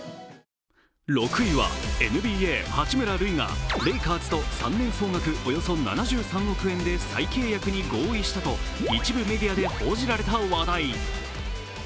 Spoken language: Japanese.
６位はＮＢＡ・八村塁がレイカーズと３年総額およそ７３億円で再契約に合意したと一部メディアで報じられた話題。